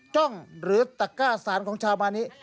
จ้องหรือตะก้าสารของชาวมานิ